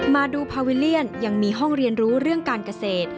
มาดูพาวิลเลียนยังมีห้องเรียนรู้เรื่องการเกษตร